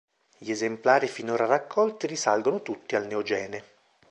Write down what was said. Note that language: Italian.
Gli esemplari finora raccolti risalgono tutti al Neogene.